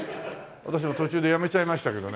私も途中でやめちゃいましたけどね。